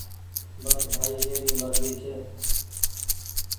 بس ڀآئي اي ري مرزي ڇي۔